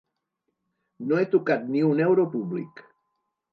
No he tocat ni un euro públic